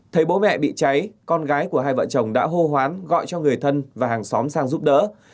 thấy bố mẹ bị cháy con gái của hai vợ chồng đã hô hoán gọi cho người thân và hàng xóm sang giúp đỡ